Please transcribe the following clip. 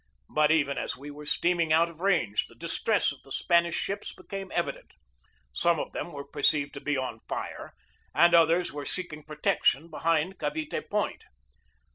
But even as we were steaming out of range the distress of the Spanish ships became evident. Some of them were perceived to be on fire and others were seeking protection behind Cavite Point.